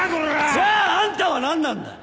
じゃああんたは何なんだ？